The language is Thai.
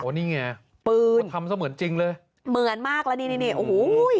นี่ไงปืนทำเสมือนจริงเลยเหมือนมากแล้วนี่นี่โอ้โห